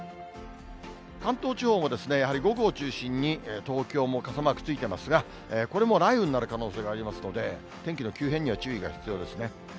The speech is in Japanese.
関東地方もやはり午後を中心に東京も傘マークついてますが、これも雷雨になる可能性がありますので、天気の急変には注意が必要ですね。